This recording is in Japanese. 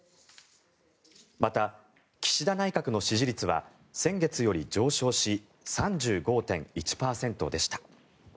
また、岸田内閣の支持率は先月より上昇し３５．１％でした。